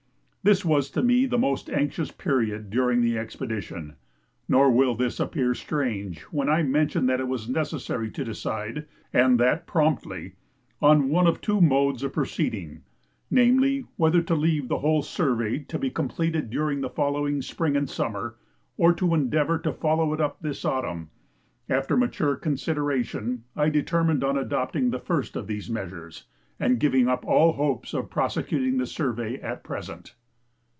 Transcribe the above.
This was to me the most anxious period during the expedition; nor will this appear strange when I mention that it was necessary to decide, and that promptly, on one of two modes of proceeding, namely, whether to leave the whole survey to be completed during the following spring and summer, or to endeavour to follow it up this autumn. After mature consideration I determined on adopting the first of these measures, and giving up all hopes of prosecuting the survey at present.